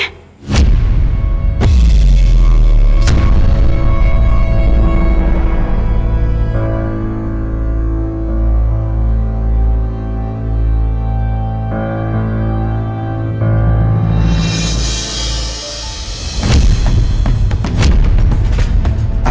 kok berhenti mobilnya